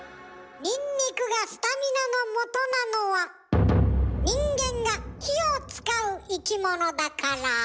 ニンニクがスタミナのもとなのは人間が火を使う生き物だから。